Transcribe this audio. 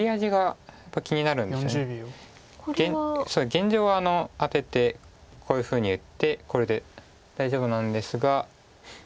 現状はアテてこういうふうに打ってこれで大丈夫なんですが。